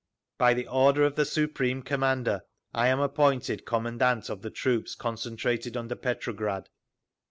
By the order of the Supreme Commander I am appointed commandant of the troops concentrated under Petrograd.